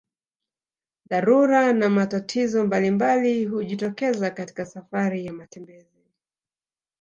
Dharura na matatizo mbalimbali hujitokeza katika safari ya matembezi